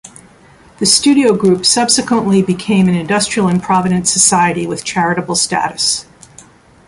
The studio group subsequently became an Industrial and provident society with charitable status.